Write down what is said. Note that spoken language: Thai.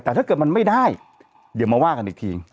แต่ถ้าเกิดมันไม่ได้เดี๋ยวมาว่ากันอีกที